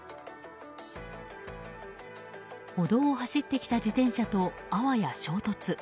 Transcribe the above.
歩道を走ってきた自転車とあわや衝突。